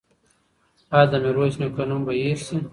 ایا د میرویس نیکه نوم به هېر شي؟